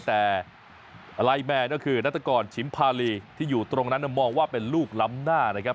แต่ไลแมร์ก็คือนัฐกรชิมพาลีที่อยู่ตรงนั้นมองว่าเป็นลูกล้ำหน้านะครับ